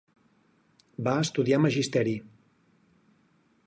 Va estudiar magisteri.